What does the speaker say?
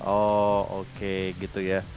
oh oke gitu ya